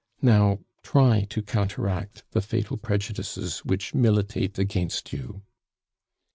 Now, try to counteract the fatal prejudices which militate against you."